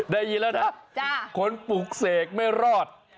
ได้ยินแล้วนะคนปลูกเสกไม่รอด